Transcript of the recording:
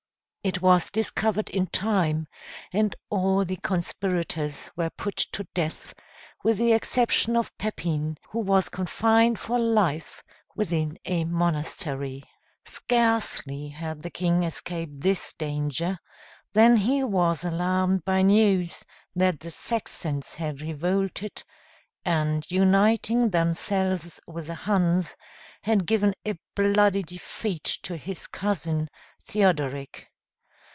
It was discovered in time, and all the conspirators were put to death, with the exception of Pepin, who was confined for life within a monastery. Scarcely had the king escaped this danger, than he was alarmed by news that the Saxons had revolted, and uniting themselves with the Huns, had given a bloody defeat to his cousin, Theodoric.